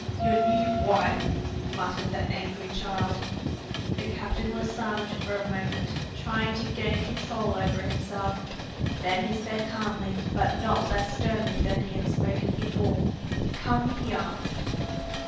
"Your new wife," muttered the angry child. The captain was silent for a moment, trying to gain control over himself. Then he said calmly, but not less sternly than he had spoken before, "Come here."